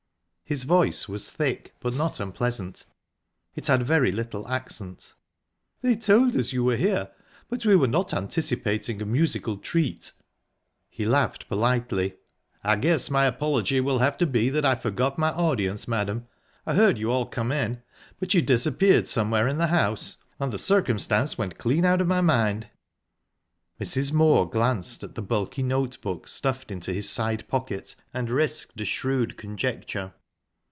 His voice was thick, but not unpleasant; it had very little accent. "They told us you were here, but we were not anticipating a musical treat." He laughed politely. "I guess my apology will have to be that I forgot my audience, madam. I heard you all come in, but you disappeared somewhere in the house, and the circumstance went clean out of my mind." Mrs. Moor glanced at the bulky note book stuffed into his side pocket, and risked a shrewd conjecture.